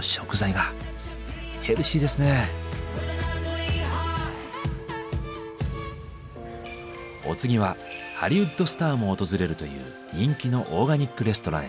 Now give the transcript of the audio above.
お次はハリウッドスターも訪れるという人気のオーガニックレストランへ。